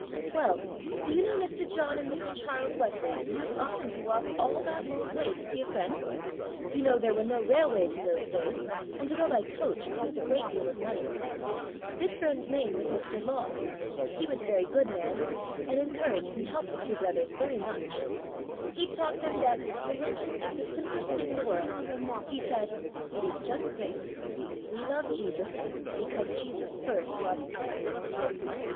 Well, do you know Mr. John and Mr. Charles Wesley used often to walk all that long way to see a friend. You know there were no railways in those days, and to go by coach cost a great deal of money. This friend's name was Mr. Law; he was a very good man, and encouraged and helped the two brothers very much. He taught them that "religion is the simplest thing in the world." He said: "It is just this, 'We love Jesus, because Jesus first loved us.'"